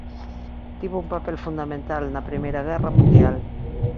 Tivo un papel fundamental na Primeira Guerra Mundial.